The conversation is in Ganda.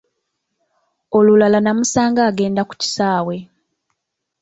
Olulala nnamusanga agenda ku kisaawe.